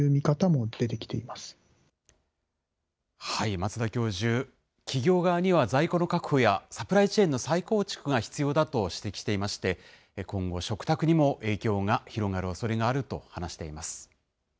松田教授、企業側には在庫の確保やサプライチェーンの再構築が必要だと指摘していまして、今後、食卓にも影響が広がるおそれがあると話しています。